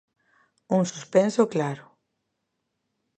Un suspenso claro.